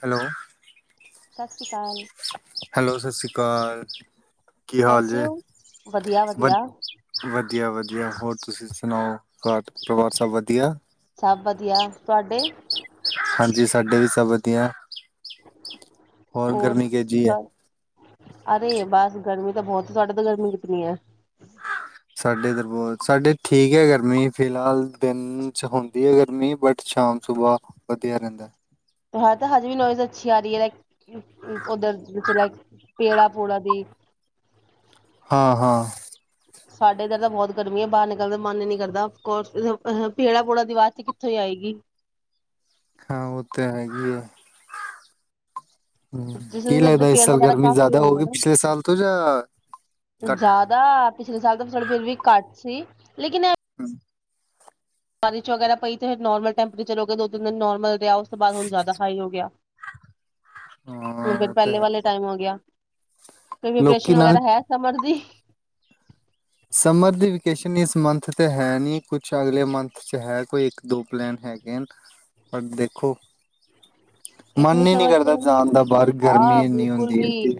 Hello. ਸਤਿ ਸ਼੍ਰੀ ਅਕਾਲ। Hello, ਸਤਿ ਸ਼੍ਰੀ ਅਕਾਲ। ਕੀ ਹਾਲ ਜੇ? ਕੈਸੇ ਹੋ? ਵਧੀਆ ਵਧ, ਵਧੀਆ ਵਧੀਆ ਵਧੀਆ ਹੋਰ ਤੁਸੀਂ ਸੁਣਾਓ। ਘਰ ਪਰਿਵਾਰ ਸਭ ਵਧੀਆ? ਸਭ ਵਧੀਆ ਤੁਹਾਡੇ ਹਾਂਜੀ ਸਾਡੇ ਵੀ ਸਭ ਵਧੀਆ। ਹੋਰ ਗਰਮੀ ਕਿ ਜੀ ਐ? ਅਰੇ ਬਸ ਗਰਮੀ ਤਾਂ ਬਹੁਤ, ਸਾਡੇ ਤਾਂ ਗਰਮੀ ਕਿਤਨੀ ਐ ਸਾਡੇ ਇਧਰ ਬੋਤ, ਸਾਡੇ ਠੀਕ ਐ ਗਰਮੀ ਫਿਲਹਾਲ, ਦਿਨ ਚ ਆਉਂਦੀ ਐ ਗਰਮੀ, ਬਟ ਸ਼ਾਮ ਸੁਬਾਹ ਵਧੀਆ ਰਹਿੰਦੈ। ਹਾਂ ਤੇ ਹਜੇ ਵੀ ਨੋਇਜ਼ ਅੱਛੀ ਆ ਰਹੀ ਏ ਲਾਈਕ, ਉ ਓਧਰ ਚ ਲਾਈਕ ਪੇੜਾਂ ਪੂੜਾਂ ਦੀ ਹਾਂ ਹਾਂ। ਸਾਡੇ ਇੱਧਰ ਤਾਂ ਬਹੁਤ ਗਰਮੀ ਐ। ਬਾਹਰ ਨਿਕਲ ਦਾ ਮਨ ਈ ਨੀ ਕਰਦਾ। ਪੈੜਾ ਪੂੜਾਂ ਦੀ ਵਾਜ਼ ਕਿੱਥੋਂ ਈ ਆਏਗੀ। ਹਾਂ ਉਹ ਤਾਂ ਹੈਗੀ ਐ। ਹਮ ਜਿਸ ਕੀ ਦੇ ਲੱਗਦਾ ਇਸ ਪੇੜ ਸਾਲ ਵਗੈਰਾ ਗਰਮੀ ਕਾਫੀ ਜ਼ਿਆਦਾ ਹੋਣਗੇ ਹੋਉਗਈ ਪਿਛਲੇ ਸਾਲ ਤੋਂ ਜਾਂ ਨਾ ਘੱਟ? ਜ਼ਿਆਦਾ ਪਿਛਲੇ ਸਾਲ ਤਾਂ ਫਿਰ ਵੀ ਘੱਟ ਸੀ, ਲੇਕਿਨ ਐ ਹੂੰ। ਬਾਰਿਸ਼ ਵਗੈਰਾ ਪਈ ਤੇ ਫਿਰ ਨੋਮਲ ਟੈਂਪਰੇਚਰ ਹੋ ਗਏ ਦੋਿੰਨ ਦਿਨ ਨੋਾਰਮਲ [unintelligible] ਉਸ ਤੋਂ ਬਾਅਦ ਹੁਣ ਜ਼ਿਆਦਾ ਹਾਈ ਹੋ ਗਿਆ ਹੁਣ ਹਾਂ ਫਿਰ ਉਹ ਤਾਂ ਪਹਿਲੇ ਹੈ ਵਾਲੇ ਟਾਈਮ ਹੋ ਗਿਆ ਲੋਕੀ ਕੋਈਪ੍ਰਸ਼ਨ ਨਾਲ ਵਗੈਰਾ ਹੈ ਸਮਰ ਦੀ ਸਮਰ ਦੀ ਵੇਕੇਸ਼ਨ ਇਸ ਮੰਥ 'ਤੇ ਹੈ ਨਹੀਂ ਕੁਛ ਅਗਲੇ ਮੰਥ 'ਚ ਹੈ ਕੋਈ ਇੱਕ ਦੋ ਪਲੈਨ ਹੈਗੇ ਹਨ ਪਰ ਦੇਖੋ ਇਤਨੀ ਮਨ ਹੀ ਨਹੀਂ ਸਮਝ ਕਰਦਾ ਜਾਣ ਦਾ ਬਾਹਰ ਆਹ ਗਰਮੀ ਇੰਨੀ ਬਿਲਕੁਲ ਹੁੰਦੀ ਵੀ ਹੈ ਤੇ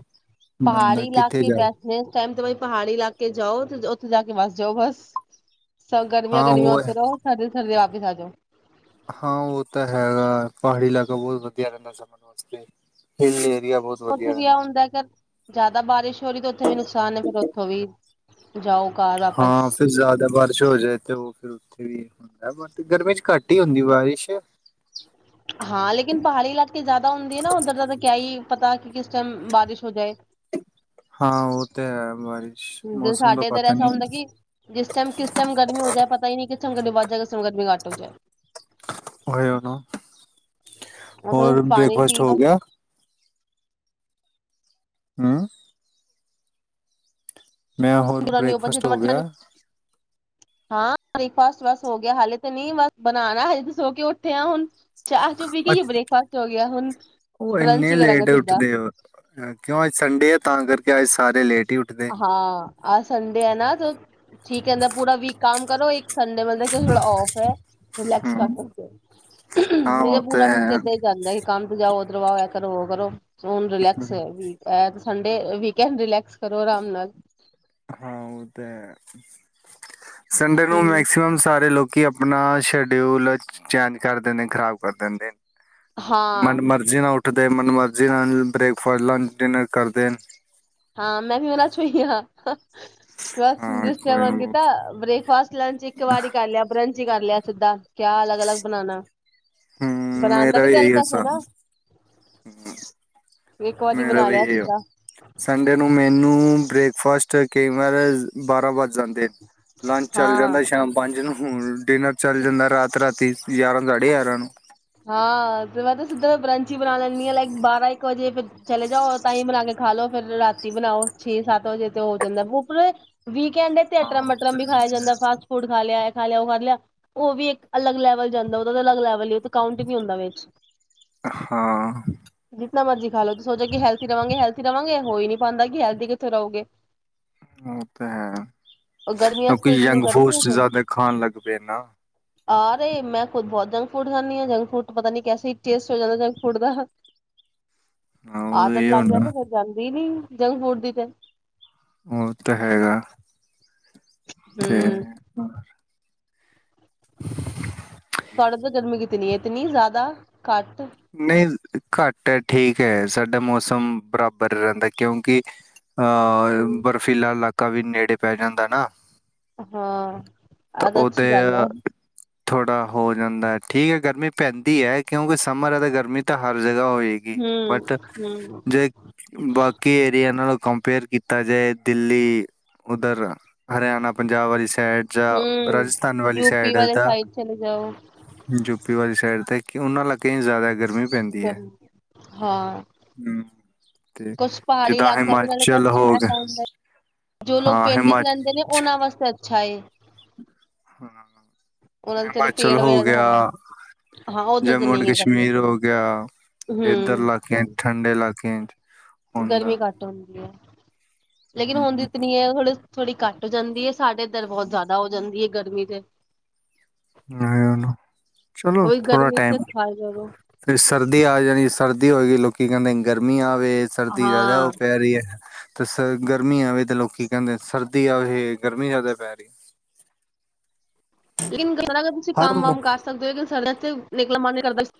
ਬੰਦਾ ਪਹਾੜੀ ਕਿੱਥੇ ਇਲਾਕੇ ਜਾਵੇ ਬੈਸ ਟਾਈਮ ਪਹਾੜੀ ਇਲਾਕੇ ਜਾਓ ਤੇ ਉੱਥੇ ਜਾ ਕੇ ਵਸ ਜਾਓ ਬਸ ਸ ਗਰਮੀਆਂ ਹਾਂ ਗਰਮੀਆਂ ਉਹ ਉੱਥ ਹੈ, ਰਹੋ [unintelligible] [unintelligible] ਹਾਂ ਉਹ ਤਾਂ ਹੈਗਾ ਪਹਾੜੀ ਇਲਾਕਾ ਬਹੁਤ ਵਧੀਆ ਰਹਿੰਦਾ ਸਮਰ ਵਾਸਤੇ ਏਰੀਆ ਬਹੁਤ ਉੱਥੇ ਵਧੀਆ ਵੀ ਆ ਰਹਿੰਦਾ ਹੁੰਦਾ ਕਿ ਜ਼ਿਆਦਾ ਬਾਰਿਸ਼ ਹੋ ਰਹੀ ਤੇ ਉੱਥੇ ਵੀ ਨੁਕਸਾਨ ਹੈ ਫੇਿਰ ਉੱਥੋਂ ਵੀ ਜਾਓ ਘਰ ਵਾਪਸ ਹਾਂ ਫਿਰ ਜ਼ਿਆਦਾ ਬਾਰਿਸ਼ ਹੋ ਜਾਏ ਤੇ ਉਹ ਫਿਰ ਉੱਥੇ ਵੀ ਹੁੰਦਾ ਬੱਟ ਗਰਮੀ ਚ ਘੱਟ ਹੀ ਹੁੰਦੀ ਬਾਰਿਸ਼ ਹਾਂ ਲੇਕਿਨ ਪਹਾੜੀ ਇਲਾਕੇ ਜ਼ਿਆਦਾ ਹੁੰਦੇ ਹੈ ਨਾ ਉੱਧਰ ਦਾਿਆਦਾ ਕਿਆ ਹੀ ਪਤਾ ਕਿਸ ਟਾਈਮ ਬਾਰਿਸ਼ ਹੋ ਜਾਏ ਹਾਂ ਉਹ ਤੇ ਹੈ [unintelligible] ਮੌਸਮ ਦਾ ਸਾਡੇ ਇੱਧਰ ਪਤਾ ਨਹੀਂ ਐਸਾ ਹੁੰਦਾ ਕਿ ਜਿਸ ਟਾਈਮ ਕਿਸ ਟਾਈਮ ਗਰਮੀ ਹੋ ਜਾਏ ਪਤਾ ਹੀ ਨਹੀ ਸੰਗਤ ਵੀ ਵੱਧ ਜਾਏ ਸੰਗਤ ਵੀ ਘੱਟ ਹੋ ਜਾਏ ਹੋ ਉਹਨੂੰ ਹੋਰ ਬ੍ਰੇਕਫਾਸਟ ਹੋ ਗਿਆ ਹਮ ਮੈਂ ਹੋਰ ਬ੍ਰੇਕਫਾਸਟ ਹੋ ਗਿਆ ਹਾਂ ਬ੍ਰੇਕਫਾਸਟ ਬਸ ਹੋ ਗਿਆ ਹਾਲੇ ਤੇ ਨਹੀਂ ਬਸ ਬਣਾਣਾ ਹਜੇ ਸੋ ਕੇ ਉੱਠੇ ਆ ਹੁਣ ਚਾਹ ਚੂ ਪੀ ਕੇ ਹੀ ਬ੍ਰੇਕਫਾਸਟ ਹੋ ਗਿਆ ਹੁਣ ਉਹ ਬਰੰਚ ਇੰਨੇ ਹੀ ਕਰਾਂਗੇ ਲੇਟ ਸਿੱਧਾ ਉੱਠਦੇ ਆ ਕਿਉਂ ਅੱਜ ਸੰਡੇ ਆ ਤਾਂ ਕਰਕੇ ਅੱਜ ਸਾਰੇ ਲੇਟ ਹੀ ਉੱਠਦੇ। ਹਾਂ ਆ ਸਨ ਨਾ ਤੂੰ ਠੀਕ ਕਿੰਦਾ ਪੂਰਾ ਵੀਕ ਕੰਮ ਕਰੋ ਇੱਕ ਸੰਡੇ ਮਤ ਕਿ ਾ ਫ ਹੈ ਰਿਲੈਕਸ ਕਰ ਹਮ ਸਕ ਹਾਂ ਨਹੀਂ ਉਹ ਤੇ ਪੂਰਾ ਵੀਕ ਹੈ। ਇਦਾਂ ਹੀ ਜਾਂਦਾ ਕੰਮ ਤੇ ਜਾਓ ਕਰਵਾਇਆ ਕਰੋ- ਕਰੋ। ਸੋ ਹੁਨ ਰਿਲੈਕਸ ਹੈ ਇਹ ਵੀ ਏ ਸੰਡੇ, ਵੀਕੈਂਂਡ ਰਿਲੈਕਸ। ਕਰੋ ਆਰਾਮ ਨਾਲ। ਹਾਂ, ਉਹ ਤਾਂ ਹੈ। ਸੰਡੇ ਨੂੰ ਹੂੰ। ਮੈਕਸੀਮਮ ਸਾਰੇ ਲੋਕੀ ਆਪਣਾ ਸ਼ਡਿਊਲ ਚੇਂਜ ਕਰ ਦਿੰਦੇ, ਖ਼ਰਾਬ ਕਰ ਦਿੰਦੇ ਨ ਹਾਂ, ਮਨ- ਮਰਜੀ ਨਾ ਉਠ ਉੱਠਦੇ ਮਨਮਰਜ਼ੀ ਨਾਲ ਬ੍ਰੇਕਫਾਸਟ, ਲੰਚ, ਡਿਨਰ ਕਰਦੇ ਨ। ਹਾਂ, ਮੈਂ ਵੀ ਉਹਨਾਂ ਚ ਹੋਈ ਹਾ। ਬਸ, ਹਾਂ ਜਿਸ ਟਾਈਮ ਕੋਈ ਮਨ ਨਾ ਕੀਤਾ ਬ੍ਰੇਕਫਾਸਟ, ਲੰਚ ਇੱਕ ਵਾਰੀ ਕਰ ਲਿਆ। ਬਰੰਚ ਕਰ ਲਿਆ ਸਿੱਧਾ। ਕਿਆ ਅਲੱਗ- ਅਲੱਗ ਬਣਾਣਾ, ਹਮ ਬਣਾਣ ਦਾ ਮੇਰਾ ਵੀ ਤੇ ਇਹੀ ਅਲਕਸ ਹੈ ਹਿਸਾਬ ਨਾ ਇੱਕ ਵਾਰੀ ਮੇਰਾ ਬਣਾ ਵੀ‌ ਲਿਆ ਏਇਹੋ ਸਿੱਧਾ ਸੰ ਨੂੰ ਮੈਨੂੰ ਬ੍ਰੇਕਫਾਸਟ ਕਈ ਵਾਰ ਬਾਰਾਂ ਵਜ ਜਾਂਦੇ, ਲੰਚ ਚੱਲ ਹਾਂ। ਜਾਂਦਾ ਸ਼ਾਮ ਪੰਜ ਨੂੰ। ਹੋਰ ਡਿਨਰ ਚੱਲ ਜਾਂਦਾ ਰਾਤ- ਰਾਤੀ। ਗਿਆਰਾਂ- ਸਾਢੇ ਗਿਆਰਾਂ ਨੂੰ। ਹਾਂ, ਤੇ ਮੈਂ ਤੇ ਸਿੱਧਾ ਬੰਰਚ ਈ ਬਣਾ ਲੈਨੀਂ ਹਾਂ, ਲਾਈਕ ਬਾਰਾਂ- ਇੱਕ ਵਜੇ ਫ ਚਲੇ ਜਾਓ, ਤਾਂਈ ਹੀ ਬਣਾ ਕੇ ਖਾ ਲੋ, ਫਿਰ ਰਾਤੀ ਬਣਾਓ ਛੇ- ਸੱਤ ਵਜੇ ਤੇ ਹੋ ਜਾਂਦਾ। ਬੁਪਰੇ ਵੀਕਐਂਡ ਤੇ ਹਾਂ ਅਟਰਮ- ਉਹ ਮਟਰਮ ਤਾਂ ਵੀ ਖਾਇਆ ਹੈ ਜਾਂਦਾ, ਫਾਸਟ- ਫੂਡ ਖਾ ਲਿਆ। ਖਾ ਲਿਆ ਉਹ ਖਾ ਲਿਆ, ਉਹ ਵੀ ਇੱਕ ਅਲੱਗ ਲੈਵਲ ਜਾਂਦਾ, ਉਹਦਾ ਤੇ ਅਲੱਗ ਲੈਵਲ ਹੀ ਕਾਊਂਟ ਵੀ ਹੁੰਦਾ ਵਿੱਚ ਹਾਂ ਨਮਰਜੀ ਖਾਲੋ ਤੇ ਸੋ ਜਾ, ਕਿ ਹੈਲਥੀ ਰਵਾਂਗੇ, ਹੈਲਥੀ ਰਵਾਂਗੇ। ਹੋ ਹੀ ਨਹੀਂ ਪਾਂਦਾ ਕਿ ਹੈਲਦੀ ਕਿੱਥੇ ਰਹੋਗੇ। ਉਹ ਤਾਂ ਹੈ, ਕਿਉਂਕਿ ਜੰਕ- ਫੂਡ ਚ ਜ਼ਿਆਦਾ ਖਾਣ ਲੱਗ ਪਏ ਨਾ। ਆਹਰੇ, ਮੈਂ ਖੁਦ ਬਹੁਤ ਜੰਕ ਫੂਡ ਖਾਂਦੀ ਹਾਂ। ਜੰਕ ਫੂਟ ਤੋਂ ਪਤਾ ਨੀ ਕੈਸੇ ਹੀ ਟੇਸਟ ਹੋ ਜਾਂਦਾ ਜੰਕ ਫੂਡ ਦਾ। ਹਾਂ ਉਹ ਆਦਤ ਇਹ ਲਗ ਜਾਏ ਹੋਣਾ ਤੇ ਫੇਿਰ ਜਾਂਦੀ ਨੀ। ਜੰਕ ਫੂਡ ਦੀ ਤੇ ਉਹ ਤਾਂ ਹੈਗਾ। ਤੇ ਤੁਹਾਡੇ ਤਾਂ ਗਰਮੀ ਕਿਤਨੀ ਹੈ? ਇਤਨੀ ਜ਼ਿਆਦਾ, ਘੱਟ ਨਹੀਂ ਘੱਟ ਹੈ ਠੀਕ ਹੈ ਸਾਡਾ ਮੌਸਮ ਬਰਾਬਰ ਰਹਿੰਦਾ ਕਿਉਂਕਿ ਅ ਹਮ ਬਰਫ਼ੀਲਾ ਇਲਾਕਾ ਕਾਫੀ ਨੇੜੇ ਪੈ ਜਾਂਦਾ ਨਾ ਹਾਂ ਆ ਤਾਂ ਅੱਛੀ ਗੱਲ ਹੈ ਥੋੜਾ ਹੋ ਜਾਂਦਾ ਹੈ ਠੀਕ ਹੈ ਗਰਮੀ ਪੈਂਦੀ ਹੈ ਕਿਉਂਕਿ ਸਮਰ ਹੈ ਤਾਂ ਗਰਮੀ ਤਾਂ ਹਰ ਜਗ੍ਹਾ ਹੋਏਗੀ ਹਮ ਬਟ ਹਮ ਜੇ ਬਾਕੀ ਏਰੀਆ ਨਾਲ ਕੰਪੇਅਰ ਕੀਤਾ ਜਾਏ ਦਿੱਲੀ ਉੱਧਰ ਹਰਿਆਣਾ, ਪੰਜਾਬ ਵਾਲੀ ਸਾਈਡ ਜਾਂ ਹਮ ਰਾਜਸਥਾਨ ਵਾਲੀ ਯੂਪੀ ਸਾਈਡ, ਵਾਲੇ ਸਾਈਡ ਚਲੇ ਜਾਓ ਯੂਪੀ ਵਾਲੀ ਸਾਈਡ ਦੇ ਕਿ ਉਹਨਾਂ ਇਲਾਕੇ ਚ ਜ਼ਿਆਦਾ ਗ ਰਮੀ ਪੈਂਦੀ ਹੈ, ਹਾਂ ਹਮ ਤੇ ਕੁਛ ਪਹਾੜੀ ਜਿੱਦਾਂ ਇਲਾਕਾ ਵੀ ਨਾਲੇ ਹਿਮਾਚਲ ਕੁਛ ਹੋ ਗਿਆ ਐਸਾ ਹੁੰਦਾ ਜੋ ਲੋਕ ਹਾਂ ਪਿੰਡ ਵਿਚ ਰਹਿੰਦੇ ਨੇ ਉਹਨਾਂ ਵਾਸਤੇ ਅੱਛਾ ਏ। ਹਾਂ ਉਹਨਾਂ ਦੇ ਚਲੋ ਹਿਮਾਚਲ ਪੇੜ ਹੋ ਵੇੜ ਦਾ ਗਿਆ ਹਵਾ ਹਾਂ ਉਧਰ ਤੇ ਜੰਮੂ ਐਂਡ ਨਹੀਂ ਹੈ ਗਰਮੀ ਕਸ਼ਮੀਰ ਹੋ ਗਿਆ ਇਏਧਰ ਹਮ ਇਲਾਕੇਿਆਂ ਠੰਡੇ ਇਲਾਕੇ ਗਰਮੀ ਘੱਟ ਹੁੰਦੀ ਹੁੰਦੀ ਹੈ ਲੇਕਿਨ ਹੁੰਦੀ ਹਮ, ਇਤਨੀ ਹੈ ਹੁਣ ਥੋੜ੍ਹੀ ਘੱਟ ਹੋ ਜਾਂਦੀ ਹੈ ਸਾਡੇ ਇਧਰ ਬਹੁਤ ਜ਼ਿਆਦਾ ਹੋ ਜਾਂਦੀ ਹੈ ਗਰਮੀ ਤੇ ਨਹੀਂ ਉਹ ਚਲੋ ਉਹੀ ਥੋੜਾ ਗਰਮੀ ਟਾਈਮ ਚ ਹੈ ਖਾ ਜਾਓ ਫਿਰ ਸਰਦੀ ਆ ਜਾਣੀ ਸਰਦੀ ਹੋਏਗੀ ਲੋਕੀ ਕਹਿੰਦੇ ਗਰਮੀ ਆ ਆਵੇ ਸਰਦੀ ਜ਼ਿਆਦਾ ਉਹ ਹਾਂ ਪੈ ਰਹੀ ਹੈ ਤੇ ਗਰਮੀ ਆਵੇ ਤੇ ਲੋਕੀ ਕਹਿੰਦੇ ਸਰਦੀ ਆਵੇ ਗਰਮੀ ਜ਼ਿਆਦਾ ਪੈ ਰਹੀ ਲੇਕਿਨ ਤੁਸੀਂ ਹੈ। ਹਰ ਕੰਮ ਮ ਵਮ ਕਰ ਸਕਦੇ ਹੋ ਲੇਕਨ ਸਰ ਤੇ ਨਿਕਲਣ ਮਨ ਨੀ ਕਰਦਾ ਸੀ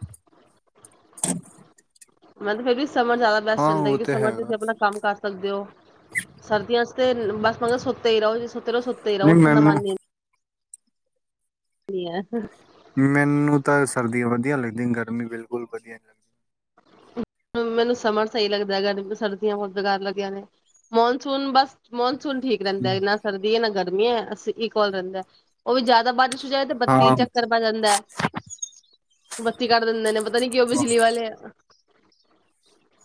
[unintelligible] [unintelligible] ਮਤਲਬ ਫੇਰ ਵੀ ਸਮਰ ਜ਼ਿਆਦਾ ਬੈਸਟ ਹਾਂ ਜਾਂਦਾ ਹੈ ਉਹ ਕਿਉਂਕਿ ਤੇ ਸਮਰ ਚ ਤੁਸੀਂ ਹੈਗਾ ਆਪਣਾ ਕੰਮ ਕਰ ਸਕਦੇ ਹੋ ਸਰਦੀਆਂ ਤੇ ਬਸ ਮਤਲਬ ਸੁੱਤੇ ਹੀ ਰਹੋ ਜ ਸੁੱਤੇ ਰੋ ਸੁੱਤੇ ਹੀ ਰਹੋ ਨਹੀਂ ਉੱਠਣ ਦਾ ਮੈਨੂੰ ਮਨ ਹੀ [unintelligible] [unintelligible] ਮੈਨੂੰ ਤਾਂ ਸਰਦੀਆਂ ਵਧੀਆ ਲੱਗਦੀਆਂ ਗਰਮੀ ਬਿਲਕੁਲ ਵਧੀਆ ਨੀ ਲੱਗਦੀ ਮੈਨੂੰ ਸਮਰ ਸਹੀ ਲੱਗਦਾ ਹੈਗਾ ਸਰਦੀਆਂ ਬਹੁਤ ਬੇਕਾਰ ਲੱਗੀਆਂ ਨੇ ਮੌਨਸੂਨ ਬਸ ਮੌਨ ਠੀਕ ਰਹਿੰਦਾ ਨਾ ਸਰਦੀ ਹੈ ਨਾ ਗਰਮ ਇਕਊਲ ਰਹਿੰਦਾ ਉਹ ਵੀ ਜ਼ਿਆਦਾ ਬਾਰਿਸ਼ ਜਾਏ ਤੇ ਹਾਂ ਬੱਤੀ ਹਾਂ ਚੱਕਰ ਪ ਜਾਂਦਾ ਹੈ ਬੱਤੀ ਕ ਦ ਪਤਾ ਨੀ ਕਿ ਉਹਂ ਬਿਜਲੀ ਵਾਲੇ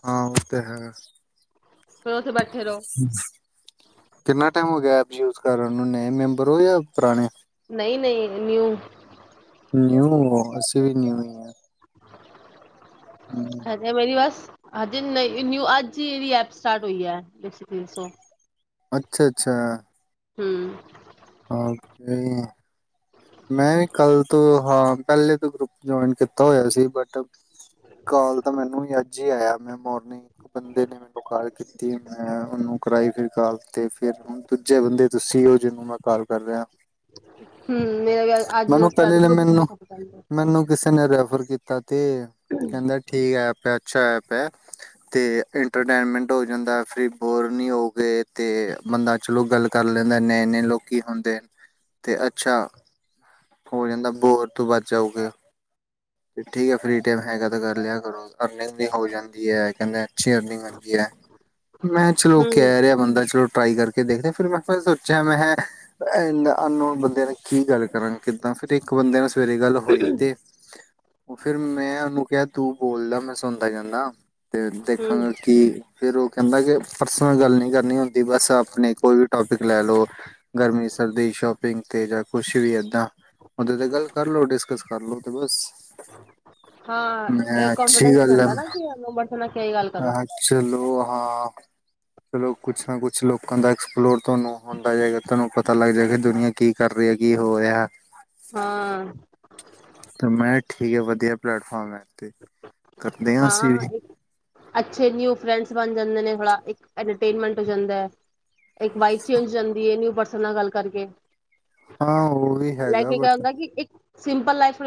ਹਾਂ ਉਹ ਤਾਂ ਹੈਗਾ ਫਿਰ ਉੱਥੇ ਬੈਠੇ ਰਹੋ ਕਿਨਾ ਟਾਈਮ ਹੋ ਗਿਆ ਯੂਜ ਕਰ ਹੁੰਦੇ ਮੈਂਬਰ ਹੋ ਜਾਂ ਪੁਰਾਣੇ ਨਹੀਂ ਨਹੀਂ ਨਿਊ ਨਿਊ ਅਸੀਂ ਵੀ ਨਿਊ ਹੀ ਹੈ ਹਜੇ ਮੇਰੀ ਬੱਸ ਹਾਂਜੀ ਨਿਊ ਅੱਜ ਹੀ ਜੜੀ ਐਪ ਸਟਾਰਟ ਹੋਈ ਹੈ ਬਸ ਪਲੀਜ਼ ਸੋ ਅੱਛਾ, ਅੱਛਾ ਹੂੰ, ਮੈਂ ਵੀ ਕੱਲ ਤੋਂ ਹਾਂ ਪਹਿਲੇ ਤੋਂ ਗਰੁੱਪ ਜੁਇਨ ਕੀਤਾ ਹੋਇਆ ਸੀ ਬਟ ਕਾਲ ਤਾਂ ਮੈਨੂੰ ਵੀ ਅੱਜ ਜੀ ਆਇਆ ਮੈਂ ਮੋਰਨਿੰਗ ਇੱਕ ਬੰਦੇ ਨੇ ਮੈਨੂੰ ਕਾਲ ਕੀਤੀ, ਮੈਂ ਉਹਨੂੰ ਕਰਾਈ ਫਿਰ ਕਾਲ ਤੇ ਫਿਰ ਦੂਜੇ ਬੰਦੇ ਤੁਸੀਂ ਉਹ ਜਿਨੂੰ ਮੈਂ ਕਾਲ ਕਰ ਰਿਹਾਂ। ਹੂੰ ਮੇਰਾ ਅੱਜ ਦਾ ਮੈਨੂੰ ਸਟਾਰਟ ਪਹਿਲੇ ਨੇ ਗਰੁਪ ਮੈਨੂੰ ਘੱ ਐ ਮੈਨੂੰ ਕਿਸੇ ਨੇ ਰੈਫਰ ਕੀਤਾ ਤੇ ਕਹਿੰਦਾ ਠੀਕ ਹੈ ਆ ਅੱਛਾ ਐਪ ਹੈ ਤੇ ਇੰਟਰਟੇਨਮੈਂਟ ਹੋ ਜਾਂਦਾ ਫੇਰ ਬੋਰ ਨਹੀਂ ਹੋਵੇ ਤੇ ਬੰਦਾ ਚਲੋ ਗੱਲ ਕਰ ਲੈਂਦਾ ਇੰਨੇ ਇਨੇ ਲੋ ਕੀ ਹੁੰਦੇ ਤੇ ਅੱਛਾ ਹੋ ਜਾਂਦਾ ਬੋਰ ਤੋਂ ਵੱਧ ਜਾਊਗੇ ਤੇ ਠੀਕ ਹੈ ਫਰੀ ਟਾਈਮ ਹੈਗਾ ਤੇ ਕਰ ਲਿਆ ਕਰੋ। ਅਰਨਿੰਗ ਵੀ ਹੋ ਜਾਂਦੀ ਹੈ ਕਹਿੰਦੇ ਅੱਛੀ ਅਰਨਿੰਗ ਹੁੰਦੀ ਐ, ਮੈਂ ਚਲੋ ਕਹਿ ਰਿਹਾ ਬੰਦਾ ਚਲੋ ਟਰਾਈ ਕਰਕੇ ਦੇਖਦੇ ਫਿਰ ਮੈਂ ਕਿਹਾ ਸੋਚਿਆ ਮੈਂ ਅਨਨੋਨ ਬੰਦਿਆਂ ਨੇ ਕੀ ਗੱਲ ਕਰਾਂ ਕਿੱਦਾਂ ਫਿਰ ਇੱਕ ਬੰਦੇ ਨੇ ਸਵੇਰੇ ਗੱਲ ਹੋਈ ਤੇ ਫਿਰ ਮੈਂ ਉਹਨੂੰ ਕਿਹਾ ਤੂੰ ਬੋਲਦਾ ਮੈਂ ਸੁਣਦਾ ਜਾਂਨਾ। ਤੇ ਹੂੰ ਦੇਖਾਂਗਾ ਕਿ ਫਿਰ ਉਹ ਕਹਿੰਦਾ ਕਿ ਪਰਸਨਲ ਗੱਲ ਨਹੀਂ ਕਰਨੀ ਹੁੰ ਅਤੇ ਬਸ ਆਪਣੇ ਕੋਈ ਵੀ ਟੋਪਿਕ ਲੈ ਲਓ। ਗਰਮੀ, ਸਰਦੀ ਸ਼ੋਪਿੰਗ ਤੇ ਜਾਂ ਕੁਛ ਵੀ ਏਦਾਂ ਓਹਦੇ ਤੇ ਗੱਲ ਕਰ ਲੋ ਡਿਸਕਸ ਕਰ ਲੋ ਤੇ ਬਸ ਹਾਂ ਇਹ ਮੈਂ ਅੱਛੀ ਕੌਨਫੀਡੈਂਸ ਨੀ ਗੱਲ ਆਂਦਾ ਨਾ ਕਿ ਨੰਬਰ ਤੋਂ ਨਾ ਕਿਹੀ ਗੱਲ ਕਰੋ ਹੈੈਂ, ਚਲੋ ਹਾਂ। ਚਲੋ ਕੁਛ ਨਾ ਕੁਛ ਲੋਕਾਂ ਦਾ ਐਕਸਪਲੋਰ ਤੁਹਾਨੂੰ ਹੁੰਦਾ ਹੈਏਗਾ। ਤੁਹਾਨੂੰ ਪਤਾ ਲੱਗ ਜਾ ਕਿ ਦੁਨੀਆਂ ਕੀ ਕਰ ਰਹੀ ਹੈ, ਕੀ ਹੋ ਰਿਹਾ? ਹਾਂ, ਤੇ ਮੈਂ ਕਿਹਾ ਠੀਕ ਵਧੀਆ ਪਲੇਟਫਾਰਮ ਹੈ। ਤੇ ਕਰਦੇ ਅਸੀਂ ਹਾਂ, ਵੀ ਅੱਛੇ ਨਿਊ ਫਰੈਂਡਸ ਬਣ ਜਾਂਦੇ ਨੇ। ਇੰਟਰਟੇਨਮੈਂਟ ਹੋ ਜਾਂਦਾ ਇਕ ਵਾਈਬ ਚੇਂਜ ਹੋ ਜਾਂਦੀ ਏ ਨਿਊ ਪਰਸਨ ਨਾਲ ਗੱਲ ਕਰਕੇ। ਹਾਂ, ਉਹ ਵੀ ਲੈ ਹੈਗਾ ਕੇ ਕਿਆ ਬਟ ਹੁੰਦਾ ਕਿ ਇੱਕ ਸਿੰਪਲ ਲਾਈਫ ਬਣ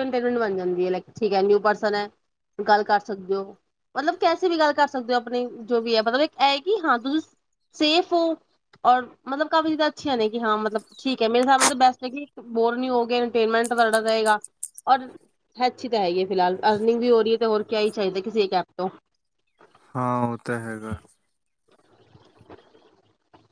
ਜਾਂਦੀ ਹੈਕਸ ਹੈ ਲਾਇਕ ਨਿਊ ਪਰਸਨ ਐ। ਗੱਲ ਕਰ ਸਕਦੇ ਹੋ ਮਤਲਬ ਕੈਸੇ ਵੀ ਗੱਲ ਕਰ ਸਕਦੇ ਹੋ ਆਪਣੀ ਜੋ ਵੀ ਹੈ ਮਤਲਬ ਹੈ ਕਿ ਹਾਂ ਤੁਸੀਂ ਸੇਫ ਹੋ ਔਰ ਮਤਲਬ ਕਾਫੀ ਚੀਜ਼ਾਂ ਅੱਛੀਆਂ ਨੇ ਕਿ ਹਾਂ ਮਤਲਬ ਠੀਕ ਹੈ ਮੇਰੇ ਹਿਸਾਬ ਨਾਲ ਬੈਸਟ ਹੈ ਬੋਰ ਨ ਹੋਮੇਗੇ ਤੁਡਾ ਰਹੇਗਾ ਔਰ ਅੱਛੀ ਤਾਂ ਹੈਗੀ ਫਿਲਹਾਲ ਨਈ ਵੀ ਹੋ ਰਹੀ ਹੈ ਤੇ ਹੋਰ ਕਿਆ ਹੀ ਚਾਹੀਦਾ ਕਿਸੇ ਇੱਕ ਐਪ ਤੋਂ ਹਾਂ, ਉਹ ਤਾਂ ਹੈਗਾ।